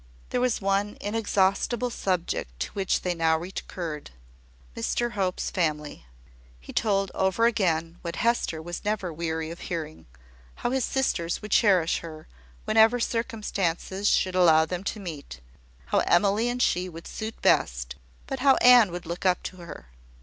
There was one inexhaustible subject to which they now recurred Mr Hope's family. He told over again, what Hester was never weary of hearing, how his sisters would cherish her, whenever circumstances should allow them to meet how Emily and she would suit best, but how Anne would look up to her.